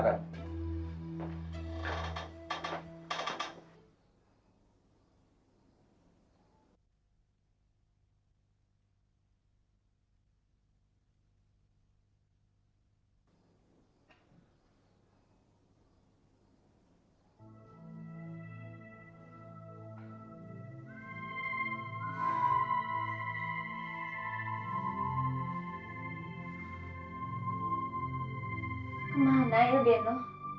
kemana ya beno